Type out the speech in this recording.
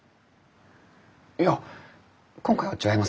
いや今回は違います。